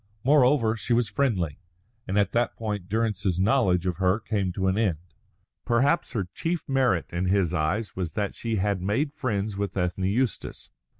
Moreover, she was friendly. And at that point Durrance's knowledge of her came to an end. Perhaps her chief merit in his eyes was that she had made friends with Ethne Eustace.